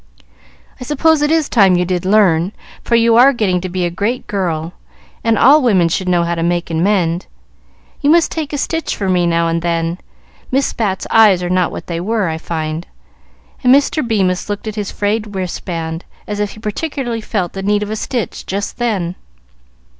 "I suppose it is time you did learn, for you are getting to be a great girl, and all women should know how to make and mend. You must take a stitch for me now and then: Miss Bat's eyes are not what they were, I find;" and Mr. Bemis looked at his frayed wristband, as if he particularly felt the need of a stitch just then.